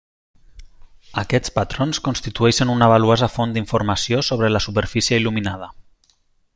Aquests patrons constitueixen una valuosa font d'informació sobre la superfície il·luminada.